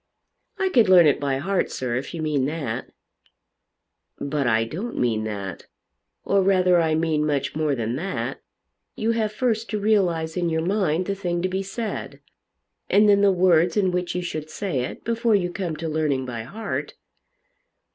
"I could learn it by heart, sir, if you mean that." "But I don't mean that; or rather I mean much more than that. You have first to realise in your mind the thing to be said, and then the words in which you should say it, before you come to learning by heart."